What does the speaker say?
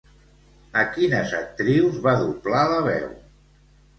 A quines actrius va doblar la veu?